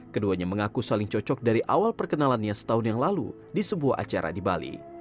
keduanya mengaku saling cocok dari awal perkenalannya setahun yang lalu di sebuah acara di bali